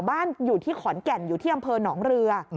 อยู่ที่ขอนแก่นอยู่ที่อำเภอหนองเรือ